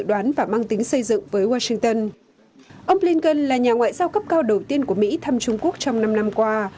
ông blinken là nhà ngoại giao cấp cao đầu tiên của mỹ thăm trung quốc trong năm năm qua